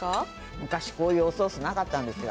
昔、こういうおソースなかったんですよ。